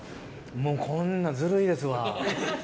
もうこんなんずるいですわ。